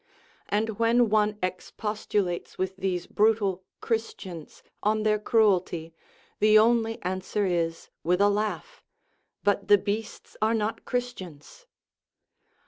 And when one expostulates with these brutal " Christians " on their cruelty, the only answer is, with a laugh :" But the beasts are not Christians."